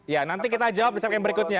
ya nanti kita jawab di saat yang berikutnya